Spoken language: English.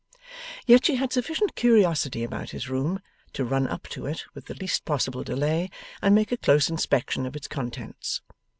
Yet she had sufficient curiosity about his room, to run up to it with the least possible delay, and make a close inspection of its contents.